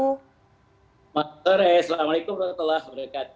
selamat sore assalamualaikum wr wb